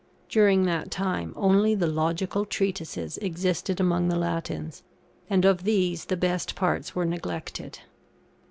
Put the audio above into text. During that time, only the logical treatises existed among the Latins; and of these the best parts were neglected.